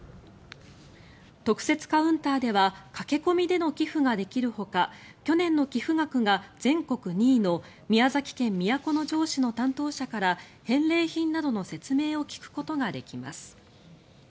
特設カウンターでは駆け込みでの寄付ができるほか去年の寄付額が全国２位の宮崎県都城市の担当者から返礼品などの説明を聞くことができます。